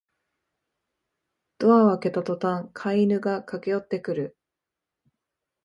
ドアを開けたとたん飼い犬が駆けよってくる